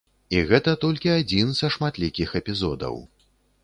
І гэта толькі адзін са шматлікіх эпізодаў.